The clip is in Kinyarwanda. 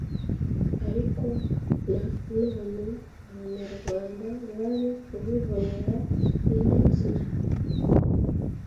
ariko na none abanyarwanda bari kubibonera indi nzira